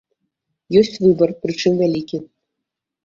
Ёсць выбар, прычым, вялікі.